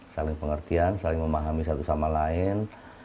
saling pengertian saling memahami satu sama lain